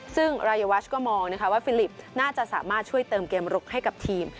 ซึ่งรายวัชก็มองนะคะว่าฟิลิปน่าจะสามารถช่วยเติมเกมลุกให้กับทีม